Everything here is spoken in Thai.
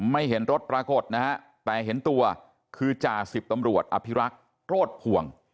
ไม่เห็นรถปรากฏนะฮะแต่เห็นตัวคือจ่าสิบตำรวจอภิรักษ์โรธพวง